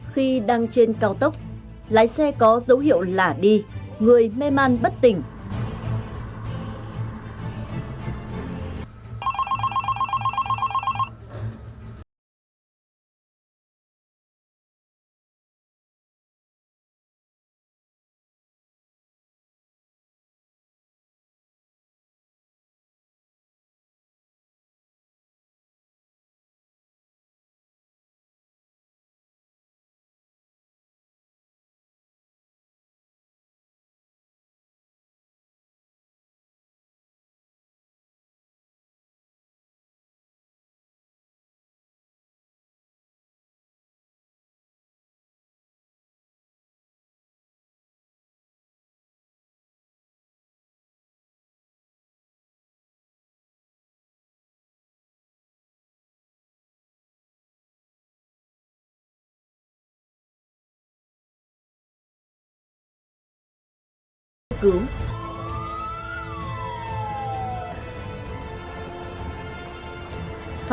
khi đang trên cao tốc lái xe có dấu hiệu lả đi người mê man bất tỉnh